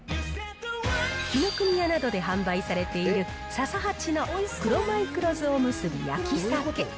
紀ノ国屋などで販売されている、笹八の黒米黒酢おむすび焼き鮭。